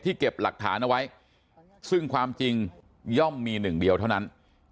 เก็บหลักฐานเอาไว้ซึ่งความจริงย่อมมีหนึ่งเดียวเท่านั้น